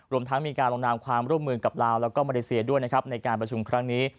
รวมทั้งมีการลงนามความร่วมมือกับลาวแล้วก็มาเลเซียด้วยนะครับในการประชุมครั้งนี้